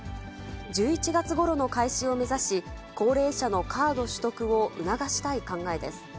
１１月ごろの開始を目指し、高齢者のカード取得を促したい考えです。